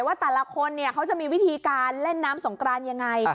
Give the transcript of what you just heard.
ว่าแต่ละคนเขาจะมีวิธีการเล่นน้ำสงกรานยังไง